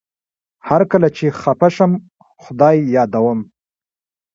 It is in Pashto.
هر کله چي خپه شم خدای يادوم